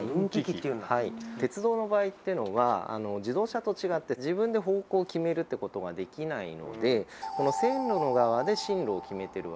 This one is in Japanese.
鉄道の場合っていうのは自動車と違って自分で方向を決めるってことができないのでこの線路の側で進路を決めてるわけですね。